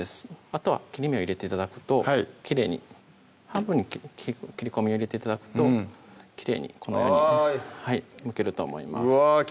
あとは切り目を入れて頂くときれいに半分に切り込みを入れて頂くときれいにこのようにむけると思いますうわ